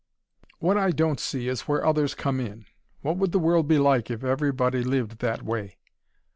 What I don't see is where others come in. What would the world be like if everybody lived that way?"